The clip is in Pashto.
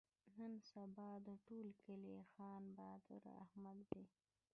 نن سبا د ټول کلي خان بادار احمد دی.